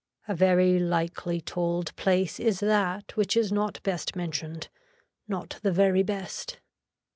A very likely told place is that which is not best mentioned, not the very best.